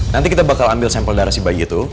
nanti kita bakal ambil sampel darah si bayi itu